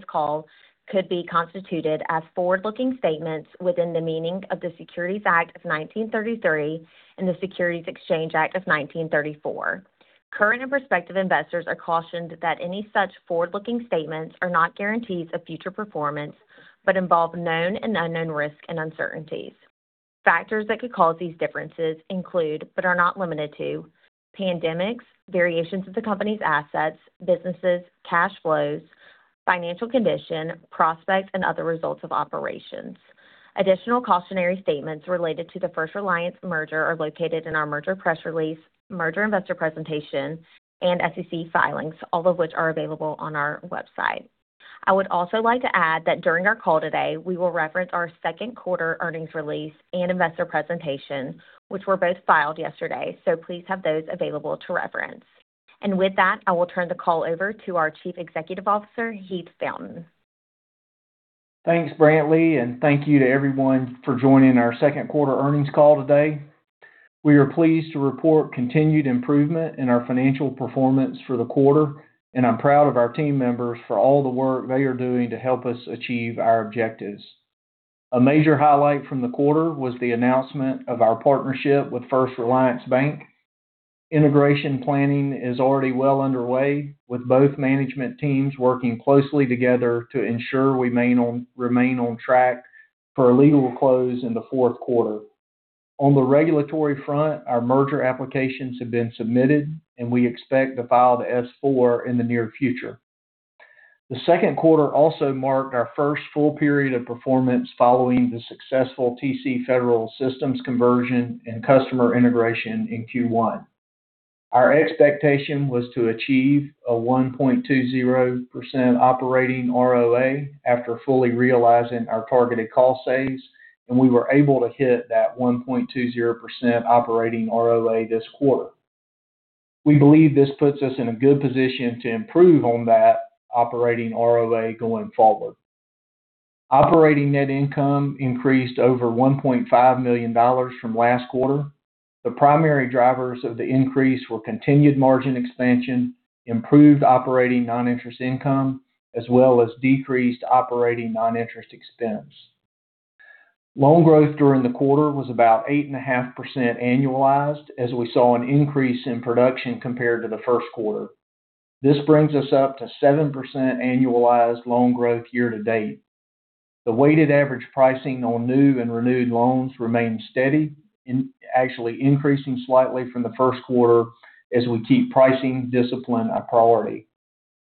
This call could be constituted as forward-looking statements within the meaning of the Securities Act of 1933 and the Securities Exchange Act of 1934. Current and prospective investors are cautioned that any such forward-looking statements are not guarantees of future performance, but involve known and unknown risks and uncertainties. Factors that could cause these differences include, but are not limited to, pandemics, variations of the company's assets, businesses, cash flows, financial condition, prospect, and other results of operations. Additional cautionary statements related to the First Reliance merger are located in our merger press release, merger investor presentation, and SEC filings, all of which are available on our website. I would also like to add that during our call today, we will reference our Q2 earnings release and investor presentation, which were both filed yesterday, so please have those available to reference. With that, I will turn the call over to our Chief Executive Officer, Heath Fountain. Thanks, Brantley, thank you to everyone for joining our Q2 earnings call today. We are pleased to report continued improvement in our financial performance for the quarter, and I'm proud of our team members for all the work they are doing to help us achieve our objectives. A major highlight from the quarter was the announcement of our partnership with First Reliance Bank. Integration planning is already well underway, with both management teams working closely together to ensure we remain on track for a legal close in the Q4. On the regulatory front, our merger applications have been submitted, and we expect to file the S-4 in the near future. The second quarter also marked our first full period of performance following the successful TC Federal systems conversion and customer integration in Q1. Our expectation was to achieve a 1.20% operating ROA after fully realizing our targeted cost saves, we were able to hit that 1.20% operating ROA this quarter. We believe this puts us in a good position to improve on that operating ROA going forward. Operating net income increased over $1.5 million from last quarter. The primary drivers of the increase were continued margin expansion, improved operating non-interest income, as well as decreased operating non-interest expense. Loan growth during the quarter was about 8.5% annualized, we saw an increase in production compared to the Q1. This brings us up to seven percent annualized loan growth year-to-date. The weighted average pricing on new and renewed loans remained steady, actually increasing slightly from the Q1 as we keep pricing discipline a priority.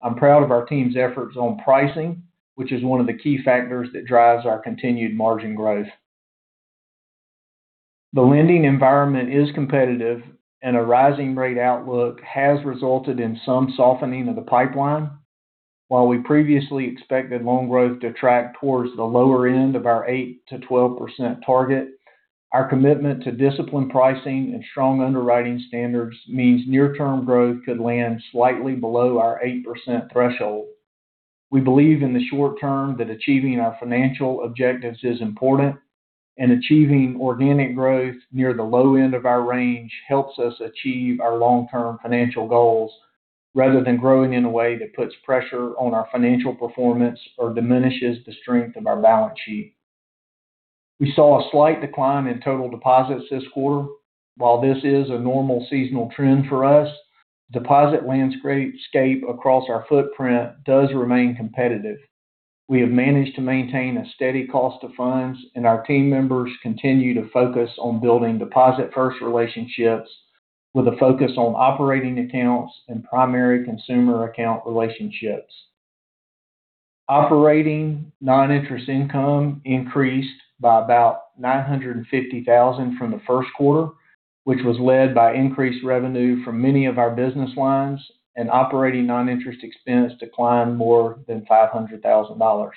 I'm proud of our team's efforts on pricing, which is one of the key factors that drives our continued margin growth. The lending environment is competitive and a rising rate outlook has resulted in some softening of the pipeline. While we previously expected loan growth to track towards the lower end of our 8%-12% target, our commitment to disciplined pricing and strong underwriting standards means near-term growth could land slightly below our eight percent threshold. We believe in the short term that achieving our financial objectives is important, and achieving organic growth near the low end of our range helps us achieve our long-term financial goals, rather than growing in a way that puts pressure on our financial performance or diminishes the strength of our balance sheet. We saw a slight decline in total deposits this quarter. While this is a normal seasonal trend for us, deposit landscape across our footprint does remain competitive. We have managed to maintain a steady cost of funds, and our team members continue to focus on building deposit-first relationships with a focus on operating accounts and primary consumer account relationships. Operating non-interest income increased by about $950,000 from the Q1, which was led by increased revenue from many of our business lines and operating non-interest expense declined more than $500,000.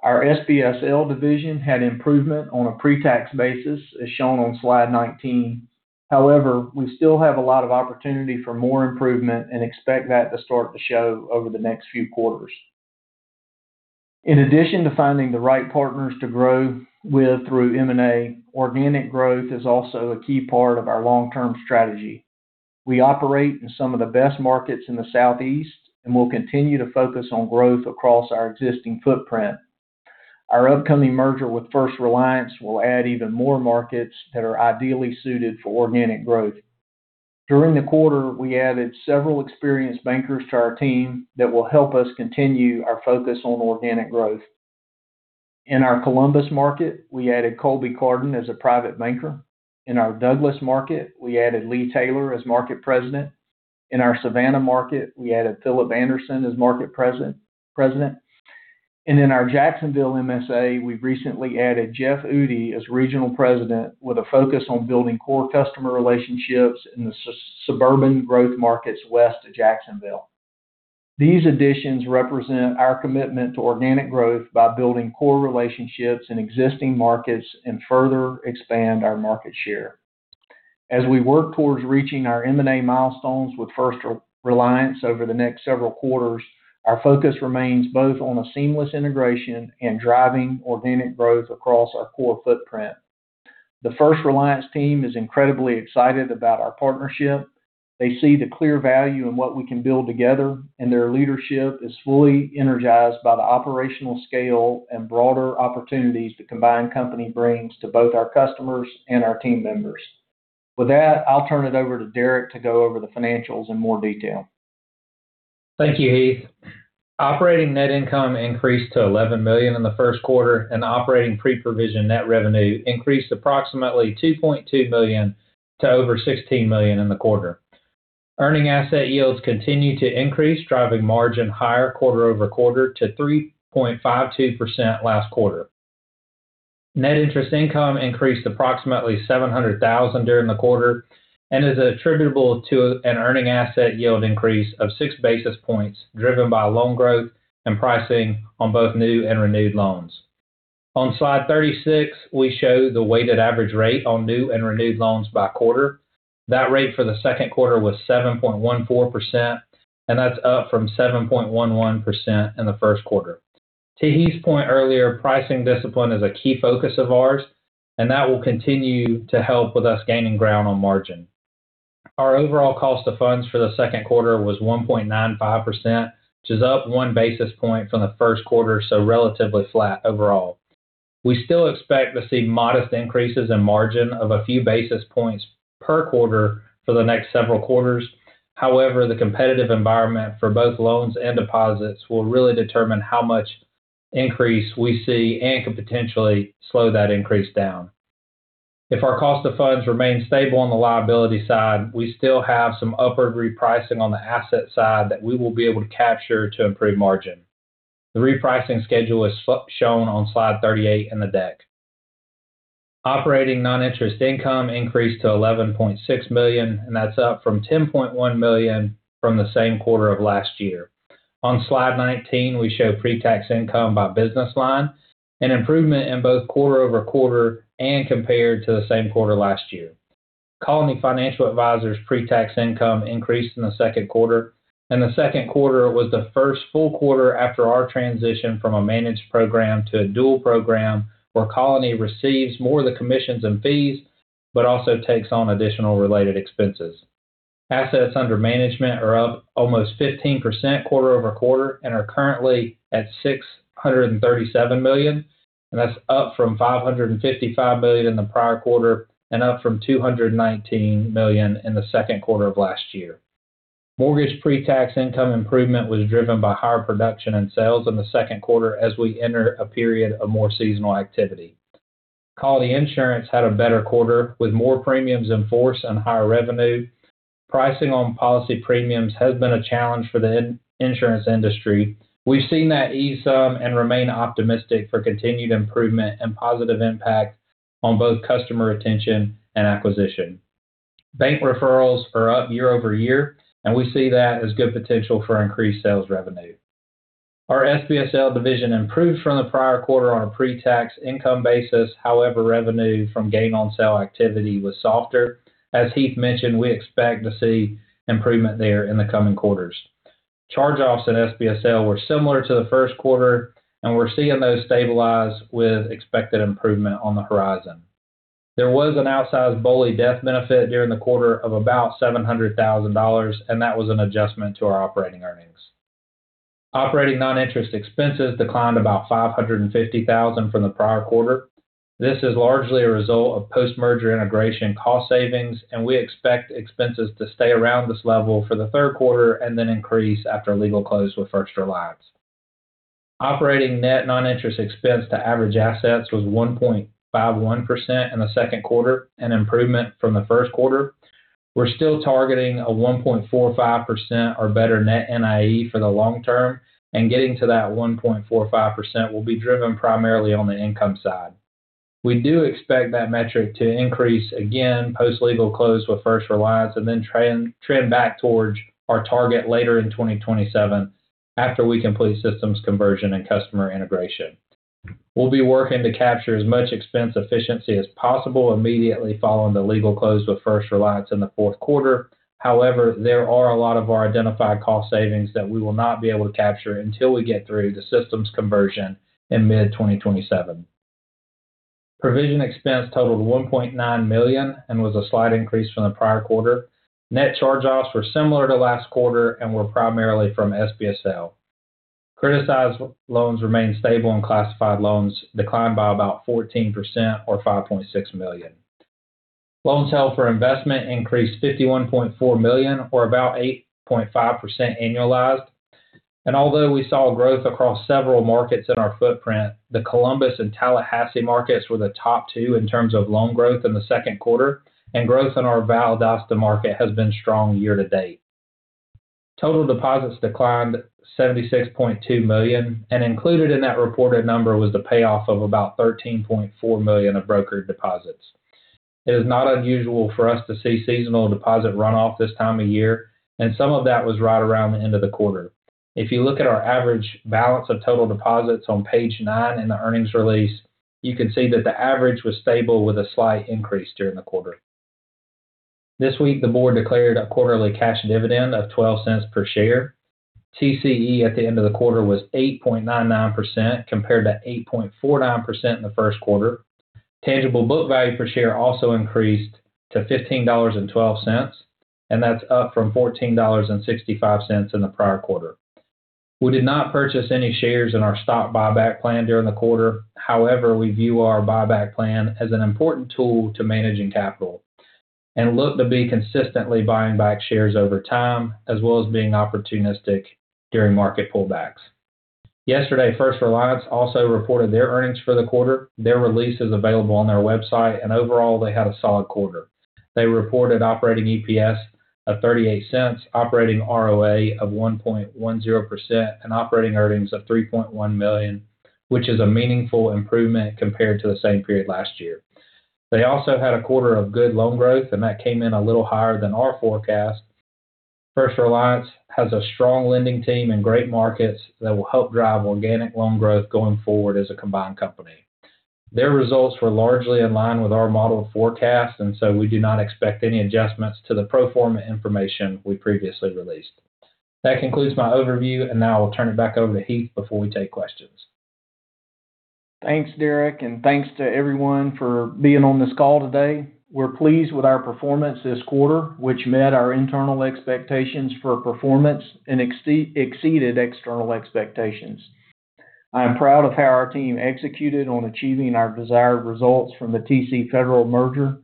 Our SBSL division had improvement on a pre-tax basis, as shown on slide 19. However, We still have a lot of opportunity for more improvement and expect that to start to show over the next few quarters. In addition to finding the right partners to grow with through M&A, organic growth is also a key part of our long-term strategy. We operate in some of the best markets in the Southeast, we'll continue to focus on growth across our existing footprint. Our upcoming merger with First Reliance will add even more markets that are ideally suited for organic growth. During the quarter, we added several experienced bankers to our team that will help us continue our focus on organic growth. In our Columbus market, we added Colby Carden as a private banker. In our Douglas market, we added Lee Taylor as market president. In our Savannah market, we added Philip Anderson as market president. In our Jacksonville MSA, we've recently added Jeff Eudy as regional president with a focus on building core customer relationships in the suburban growth markets west of Jacksonville. These additions represent our commitment to organic growth by building core relationships in existing markets and further expand our market share. As we work towards reaching our M&A milestones with First Reliance over the next several quarters, our focus remains both on a seamless integration and driving organic growth across our core footprint. The First Reliance team is incredibly excited about our partnership. They see the clear value in what we can build together, and their leadership is fully energized by the operational scale and broader opportunities the combined company brings to both our customers and our team members. With that, I'll turn it over to Derek to go over the financials in more detail. Thank you, Heath. Operating net income increased to $11 million in the Q1, and the operating pre-provision net revenue increased approximately $2.2 million to over $16 million in the quarter. Earning asset yields continue to increase, driving margin higher quarter-over-quarter to 3.52% last quarter. Net interest income increased approximately $700,000 during the quarter and is attributable to an earning asset yield increase of six basis points, driven by loan growth and pricing on both new and renewed loans. On slide 36, we show the weighted average rate on new and renewed loans by quarter. That rate for Q2 was 7.14%, and that's up from 7.11% in the Q1. To Heath's point earlier, pricing discipline is a key focus of ours, and that will continue to help with us gaining ground on margin. Our overall cost of funds for the Q2 was 1.95%, which is up one basis point from the Q1, so relatively flat overall. We still expect to see modest increases in margin of a few basis points per quarter for the next several quarters. However, the competitive environment for both loans and deposits will really determine how much increase we see and could potentially slow that increase down. If our cost of funds remains stable on the liability side, we still have some upward repricing on the asset side that we will be able to capture to improve margin. The repricing schedule is shown on slide 38 in the deck. Operating non-interest income increased to $11.6 million, and that's up from $10.1 million from the same quarter of last year. On slide 19, we show pre-tax income by business line, an improvement in both quarter-over-quarter and compared to the same quarter last year. Colony Financial Advisors pre-tax income increased in the Q2, and the Q2 was the first full quarter after our transition from a managed program to a dual program where Colony receives more of the commissions and fees, but also takes on additional related expenses. Assets under management are up almost 15% quarter-over-quarter and are currently at $637 million, and that's up from $555 million in the prior quarter and up from $219 million in the Q2 of last year. Mortgage pre-tax income improvement was driven by higher production and sales in the Q2 as we enter a period of more seasonal activity. Colony Insurance had a better quarter with more premiums in force and higher revenue. Pricing on policy premiums has been a challenge for the insurance industry. We've seen that ease some and remain optimistic for continued improvement and positive impact on both customer retention and acquisition. Bank referrals are up year-over-year, and we see that as good potential for increased sales revenue. Our SBSL division improved from the prior quarter on a pre-tax income basis. However, revenue from gain-on-sale activity was softer. As Heath mentioned, we expect to see improvement there in the coming quarters. Charge-offs in SBSL were similar to the Q1, and we're seeing those stabilize with expected improvement on the horizon. There was an outsized BOLI death benefit during the quarter of about $700,000, and that was an adjustment to our operating earnings. Operating non-interest expenses declined about $550,000 from the prior quarter. This is largely a result of post-merger integration cost savings, and we expect expenses to stay around this level for the Q3 and then increase after legal close with First Reliance. Operating net non-interest expense to average assets was 1.51% in the Q2, an improvement from the Q1. We're still targeting a 1.45% or better net NIE for the long term, and getting to that 1.45% will be driven primarily on the income side. We do expect that metric to increase again post legal close with First Reliance and then trend back towards our target later in 2027 after we complete systems conversion and customer integration. We'll be working to capture as much expense efficiency as possible immediately following the legal close with First Reliance in the Q4. However, there are a lot of our identified cost savings that we will not be able to capture until we get through the systems conversion in mid-2027. Provision expense totaled $1.9 million and was a slight increase from the prior quarter. Net charge-offs were similar to last quarter and were primarily from SBSL. Criticized loans remained stable, and classified loans declined by about 14%, or $5.6 million. Loans held for investment increased $51.4 million, or about 8.5% annualized. Although we saw growth across several markets in our footprint, the Columbus and Tallahassee markets were the top two in terms of loan growth in the Q2, and growth in our Valdosta market has been strong year to date. Total deposits declined $76.2 million, and included in that reported number was the payoff of about $13.4 million of brokered deposits. It is not unusual for us to see seasonal deposit runoff this time of year, and some of that was right around the end of the quarter. If you look at our average balance of total deposits on page nine in the earnings release, you can see that the average was stable with a slight increase during the quarter. This week, the board declared a quarterly cash dividend of $0.12 per share. TCE at the end of the quarter was 8.99%, compared to 8.49% in the Q1. Tangible book value per share also increased to $15.12, and that's up from $14.65 in the prior quarter. We did not purchase any shares in our stock buyback plan during the quarter. However, we view our buyback plan as an important tool to managing capital, and look to be consistently buying back shares over time, as well as being opportunistic during market pullbacks. Yesterday, First Reliance also reported their earnings for the quarter. Their release is available on their website, and overall, they had a solid quarter. They reported operating EPS of $0.38, operating ROA of 1.10%, and operating earnings of $3.1 million, which is a meaningful improvement compared to the same period last year. They also had a quarter of good loan growth, and that came in a little higher than our forecast. First Reliance has a strong lending team and great markets that will help drive organic loan growth going forward as a combined company. Their results were largely in line with our model forecast. We do not expect any adjustments to the pro forma information we previously released. That concludes my overview. Now I will turn it back over to Heath before we take questions. Thanks, Derek, and thanks to everyone for being on this call today. We're pleased with our performance this quarter, which met our internal expectations for performance and exceeded external expectations. I am proud of how our team executed on achieving our desired results from the TC Federal merger,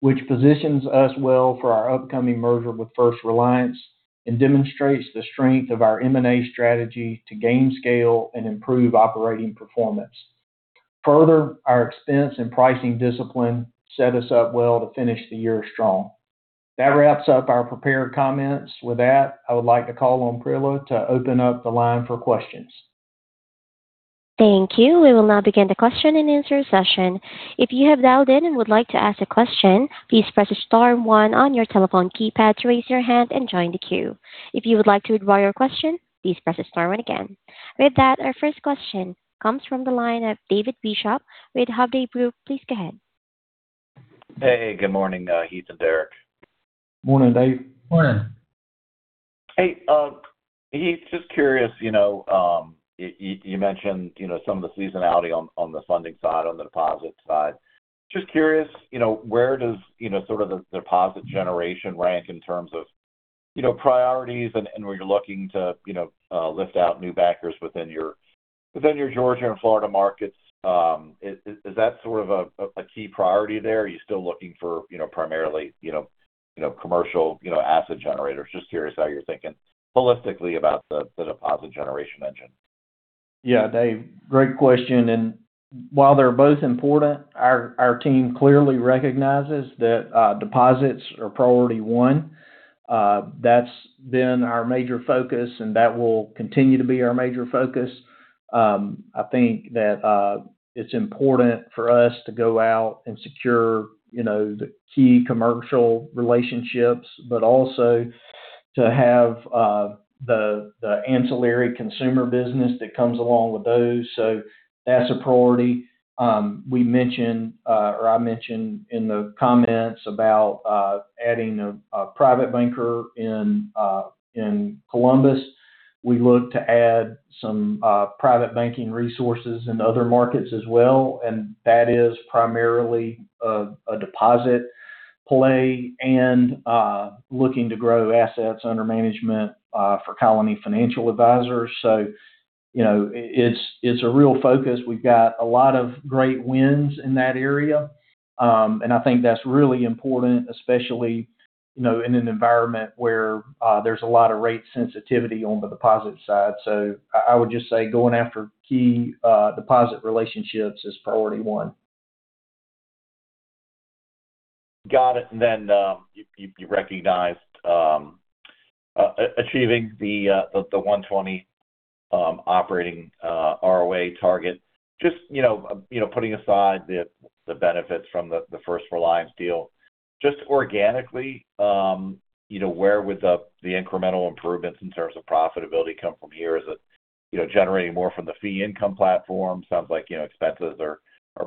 which positions us well for our upcoming merger with First Reliance and demonstrates the strength of our M&A strategy to gain scale and improve operating performance. Further, our expense and pricing discipline set us up well to finish the year strong. That wraps up our prepared comments. With that, I would like to call on Priya to open up the line for questions. Thank you. We will now begin the question and answer session. If you have dialed in and would like to ask a question, please press star one on your telephone keypad to raise your hand and join the queue. If you would like to withdraw your question, please press star one again. With that, our first question comes from the line of David Bishop with Hovde Group. Please go ahead. Hey, good morning, Heath and Derek. Morning, Dave. Morning. Hey, Heath, just curious, you mentioned some of the seasonality on the funding side, on the deposit side. Just curious, where does the deposit generation rank in terms of priorities and where you're looking to lift out new backers within your Georgia and Florida markets? Is that sort of a key priority there? Are you still looking for primarily commercial asset generators? Just curious how you're thinking holistically about the deposit generation engine. Yeah, Dave, great question. While they're both important, our team clearly recognizes that deposits are priority one. That's been our major focus, and that will continue to be our major focus. I think that it's important for us to go out and secure the key commercial relationships, but also to have the ancillary consumer business that comes along with those. That's a priority. I mentioned in the comments about adding a private banker in Columbus. We look to add some private banking resources in other markets as well, and that is primarily a deposit play and looking to grow assets under management for Colony Financial Advisors. It's a real focus. We've got a lot of great wins in that area, and I think that's really important, especially in an environment where there's a lot of rate sensitivity on the deposit side. I would just say going after key deposit relationships is priority one. Got it. You recognized achieving the 120 operating ROA target. Just putting aside the benefits from the First Reliance deal, just organically, where would the incremental improvements in terms of profitability come from here? Is it generating more from the fee income platform? Sounds like expenses are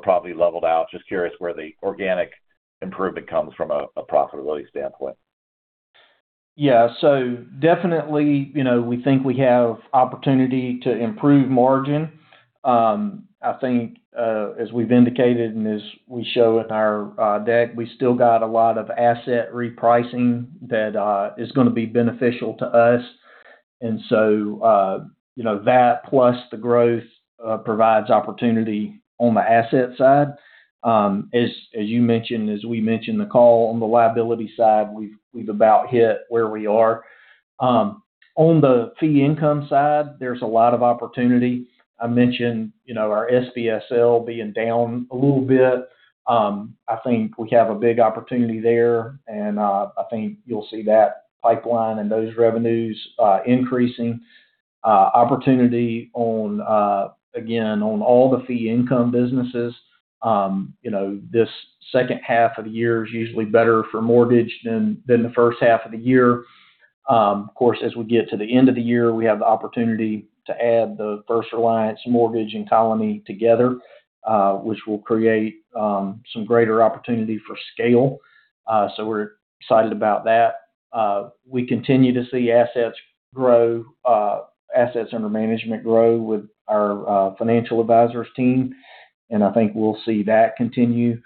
probably leveled out. Just curious where the organic improvement comes from a profitability standpoint. Yeah. Definitely, we think we have opportunity to improve margin. I think, as we've indicated and as we show in our deck, we still got a lot of asset repricing that is going to be beneficial to us. That plus the growth provides opportunity on the asset side. As you mentioned, as we mentioned in the call, on the liability side, we've about hit where we are. On the fee income side, there's a lot of opportunity. I mentioned our SBSL being down a little bit. I think we have a big opportunity there, and I think you'll see that pipeline and those revenues increasing. Opportunity, again, on all the fee income businesses. This second half of the year is usually better for mortgage than the first half of the year. Of course, as we get to the end of the year, we have the opportunity to add the First Reliance mortgage and Colony together, which will create some greater opportunity for scale. We're excited about that. We continue to see assets under management grow with our financial advisors team, and I think we'll see that continue.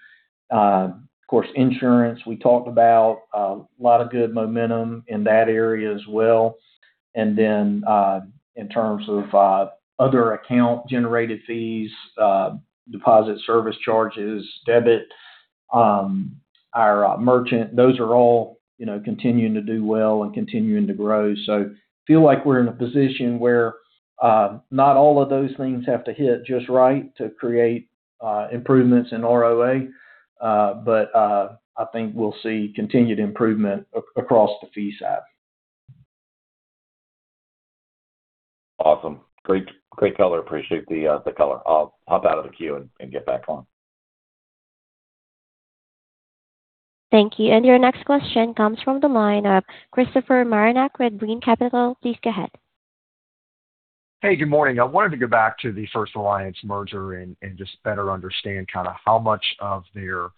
Of course, insurance, we talked about a lot of good momentum in that area as well. In terms of other account-generated fees, deposit service charges, debit, our merchant, those are all continuing to do well and continuing to grow. Feel like we're in a position where not all of those things have to hit just right to create improvements in ROA. I think we'll see continued improvement across the fee side. Awesome. Great color. Appreciate the color. I'll pop out of the queue and get back on. Thank you. Your next question comes from the line of Christopher Marinac with Janney Montgomery Scott. Please go ahead. Hey, good morning. I wanted to go back to the First Reliance merger and just better understand how much of their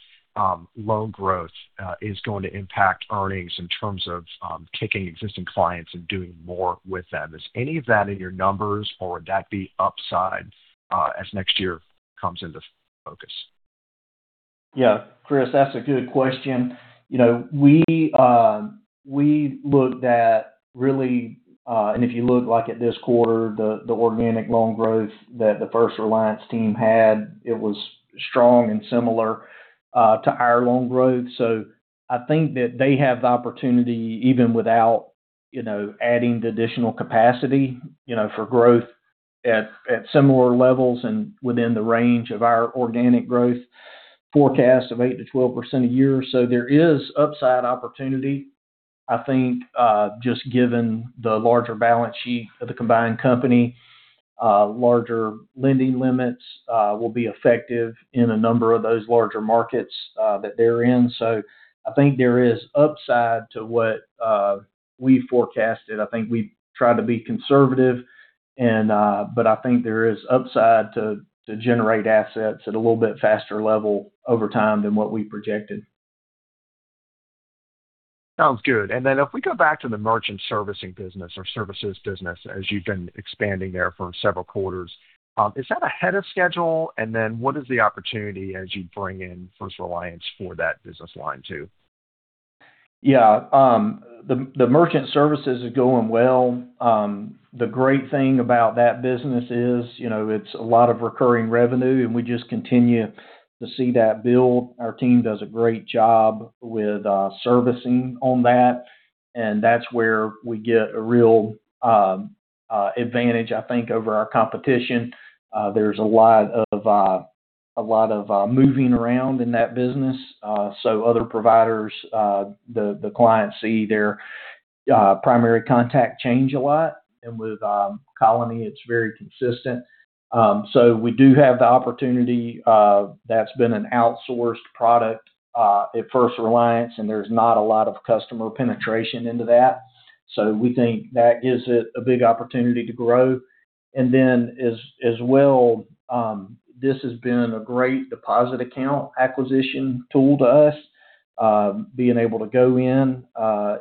loan growth is going to impact earnings in terms of kicking existing clients and doing more with them. Is any of that in your numbers, or would that be upside as next year comes into focus? Yeah. Chris, that's a good question. We looked at, really, and if you look at this quarter, the organic loan growth that the First Reliance team had, it was strong and similar to our loan growth. I think that they have the opportunity, even without adding the additional capacity, for growth at similar levels and within the range of our organic growth forecast of 8%-12% a year. There is upside opportunity. I think, just given the larger balance sheet of the combined company, larger lending limits will be effective in a number of those larger markets that they're in. I think there is upside to what we forecasted. I think we try to be conservative, but I think there is upside to generate assets at a little bit faster level over time than what we projected. Sounds good. Then if we go back to the merchant servicing business or services business, as you've been expanding there for several quarters, is that ahead of schedule? What is the opportunity as you bring in First Reliance for that business line, too? Yeah. The merchant services is going well. The great thing about that business is it's a lot of recurring revenue, and we just continue to see that build. Our team does a great job with servicing on that, and that's where we get a real advantage, I think, over our competition. There's a lot of moving around in that business. Other providers, the clients see their primary contact change a lot. With Colony, it's very consistent. We do have the opportunity. That's been an outsourced product at First Reliance, and there's not a lot of customer penetration into that. We think that gives it a big opportunity to grow. As well, this has been a great deposit account acquisition tool to us. Being able to go in,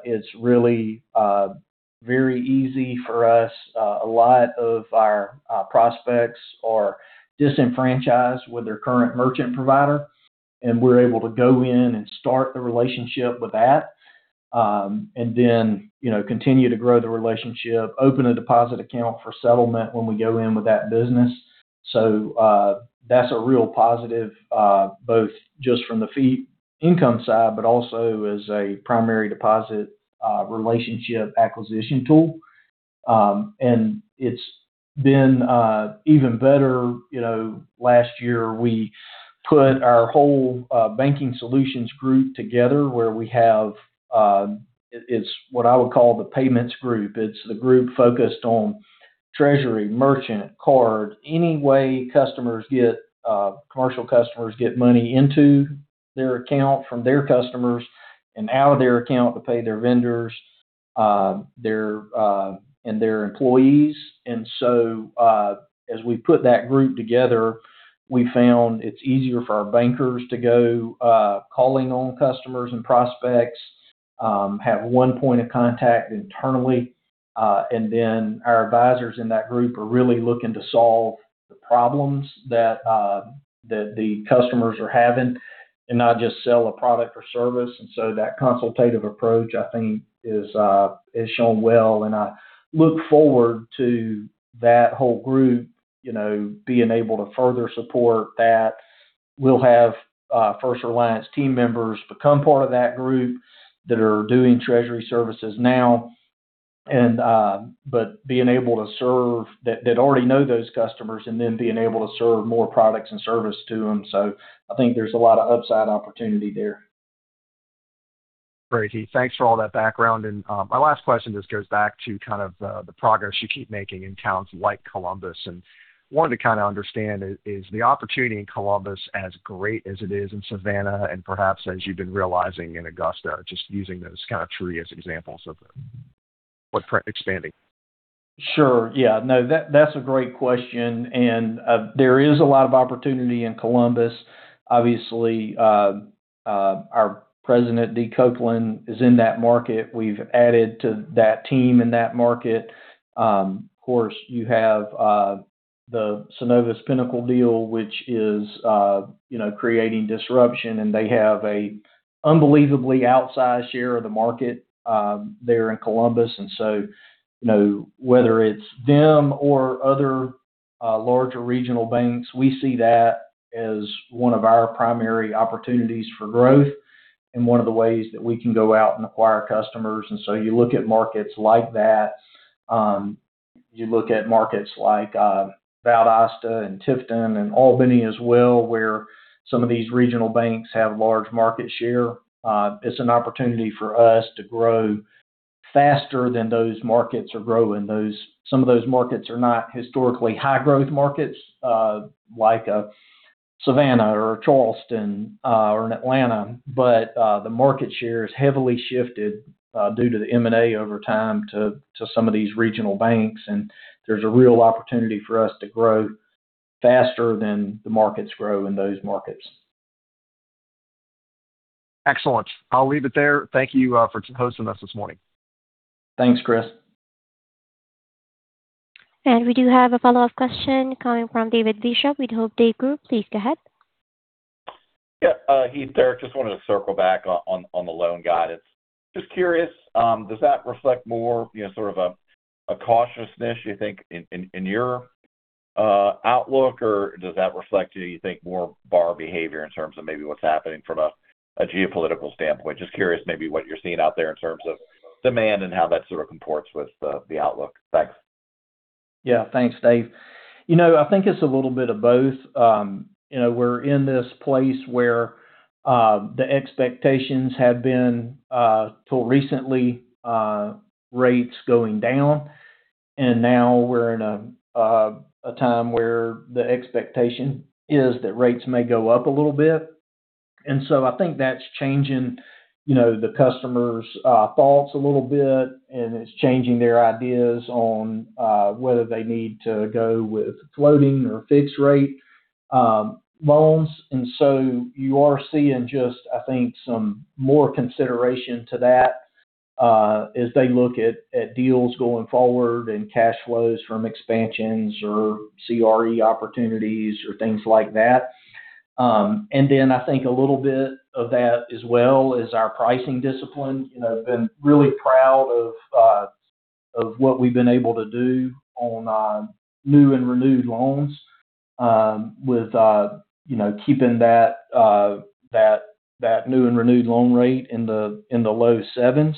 it's really very easy for us. A lot of our prospects are disenfranchised with their current merchant provider, and we're able to go in and start the relationship with that, continue to grow the relationship, open a deposit account for settlement when we go in with that business. That's a real positive, both just from the fee income side, but also as a primary deposit relationship acquisition tool. It's been even better. Last year, we put our whole banking solutions group together where we have, it's what I would call the payments group. It's the group focused on treasury, merchant, card, any way commercial customers get money into their account from their customers and out of their account to pay their vendors and their employees. As we put that group together, we found it's easier for our bankers to go calling on customers and prospects, have one point of contact internally, our advisors in that group are really looking to solve the problems that the customers are having and not just sell a product or service. That consultative approach, I think, has shown well, and I look forward to that whole group being able to further support that. We'll have First Reliance team members become part of that group that are doing treasury services now. Being able to serve, that already know those customers, being able to serve more products and service to them. I think there's a lot of upside opportunity there. Great, Heath. Thanks for all that background. My last question just goes back to the progress you keep making in towns like Columbus, and wanted to kind of understand, is the opportunity in Columbus as great as it is in Savannah and perhaps as you've been realizing in Augusta, just using those kind of three as examples of- Footprint expanding. Sure. Yeah, no, that's a great question. There is a lot of opportunity in Columbus. Obviously, our president, Dee Copeland, is in that market. We've added to that team in that market. Of course, you have the Synovus Pinnacle deal, which is creating disruption, and they have a unbelievably outsized share of the market there in Columbus. Whether it's them or other larger regional banks, we see that as one of our primary opportunities for growth and one of the ways that we can go out and acquire customers. You look at markets like that, you look at markets like Valdosta and Tifton and Albany as well, where some of these regional banks have large market share. It's an opportunity for us to grow faster than those markets are growing. Some of those markets are not historically high growth markets, like Savannah or Charleston or Atlanta, but the market share has heavily shifted, due to the M&A over time, to some of these regional banks. There's a real opportunity for us to grow faster than the markets grow in those markets. Excellent. I'll leave it there. Thank you for hosting us this morning. Thanks, Chris. We do have a follow-up question coming from David Bishop with Hovde Group. Please go ahead. Yeah. Heath there. Just wanted to circle back on the loan guidance. Just curious, does that reflect more sort of a cautiousness, you think, in your outlook, or does that reflect, you think, more borrower behavior in terms of maybe what's happening from a geopolitical standpoint? Just curious maybe what you're seeing out there in terms of demand and how that sort of comports with the outlook. Thanks. Yeah, thanks, Dave. I think it's a little bit of both. We're in this place where the expectations have been, till recently, rates going down, now we're in a time where the expectation is that rates may go up a little bit. I think that's changing the customers' thoughts a little bit, and it's changing their ideas on whether they need to go with floating or fixed rate loans. You are seeing just, I think, some more consideration to that as they look at deals going forward and cash flows from expansions or CRE opportunities or things like that. I think a little bit of that as well is our pricing discipline. Been really proud of what we've been able to do on new and renewed loans with keeping that new and renewed loan rate in the low sevens.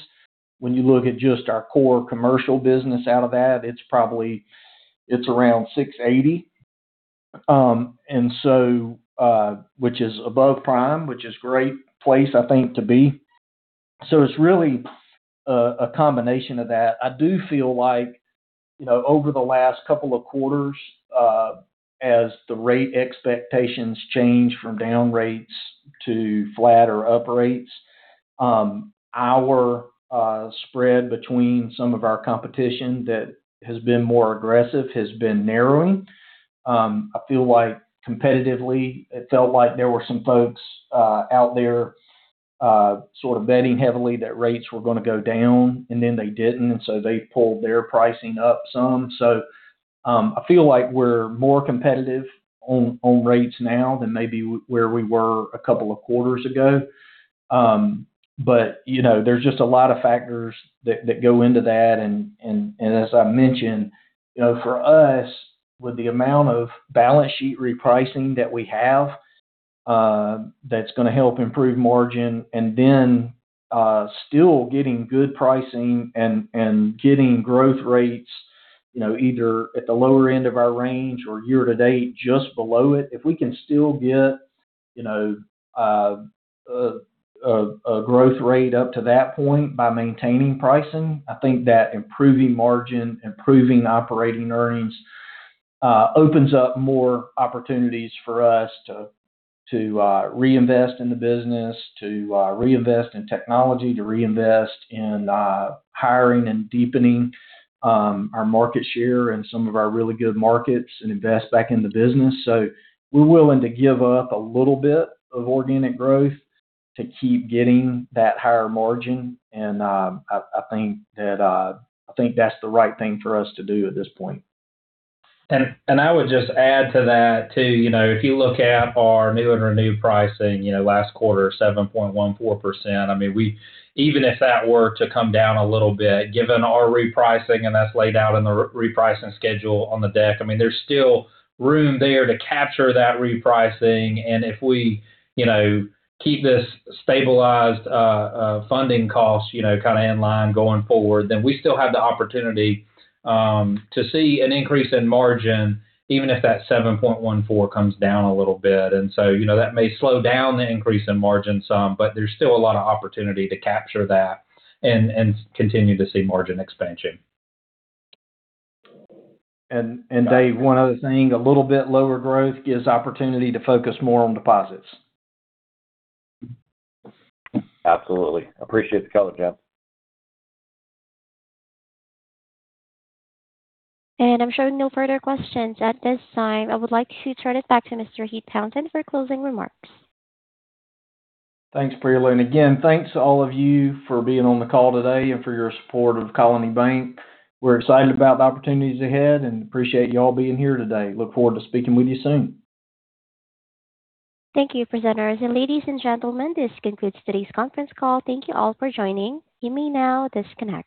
When you look at just our core commercial business out of that, it's around 680, which is above prime, which is great place, I think, to be. It's really a combination of that. I do feel like over the last couple of quarters, as the rate expectations change from down rates to flat or up rates, our spread between some of our competition that has been more aggressive has been narrowing. I feel like competitively, it felt like there were some folks out there sort of betting heavily that rates were going to go down, and then they didn't, and so they pulled their pricing up some. I feel like we're more competitive on rates now than maybe where we were a couple of quarters ago. There's just a lot of factors that go into that. As I mentioned, for us, with the amount of balance sheet repricing that we have, that's going to help improve margin, then still getting good pricing and getting growth rates either at the lower end of our range or year to date just below it. If we can still get a growth rate up to that point by maintaining pricing, I think that improving margin, improving operating earnings opens up more opportunities for us to reinvest in the business, to reinvest in technology, to reinvest in hiring and deepening our market share in some of our really good markets and invest back in the business. We're willing to give up a little bit of organic growth to keep getting that higher margin, and I think that's the right thing for us to do at this point. I would just add to that, too. If you look at our new and renewed pricing, last quarter, 7.14%. Even if that were to come down a little bit, given our repricing, and that's laid out in the repricing schedule on the deck, there's still room there to capture that repricing. If we keep this stabilized funding cost kind of in line going forward, then we still have the opportunity to see an increase in margin, even if that 7.14% comes down a little bit. That may slow down the increase in margin some, but there's still a lot of opportunity to capture that and continue to see margin expansion. Dave, one other thing, a little bit lower growth gives opportunity to focus more on deposits. Absolutely. Appreciate the color, Jeff. I'm showing no further questions at this time. I would like to turn it back to Mr. Heath Fountain for closing remarks. Thanks, Priya. Again, thanks to all of you for being on the call today and for your support of Colony Bank. We're excited about the opportunities ahead and appreciate you all being here today. Look forward to speaking with you soon. Thank you, presenters. Ladies and gentlemen, this concludes today's conference call. Thank you all for joining. You may now disconnect.